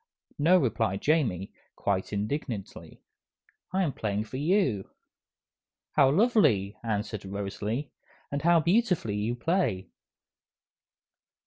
"No," replied Jamie, quite indignantly, "I'm playing for you." "How lovely," answered Rosalie, "and how beautifully you play!"